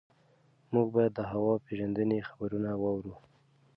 موږ باید د هوا پېژندنې خبرونه واورو.